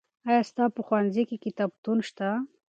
آیا ستا په ښوونځي کې کتابتون شته؟